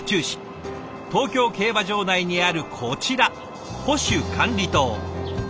東京競馬場内にあるこちら保守管理棟。